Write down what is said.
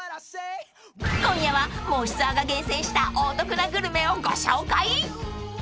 ［今夜は『もしツア』が厳選したお得なグルメをご紹介］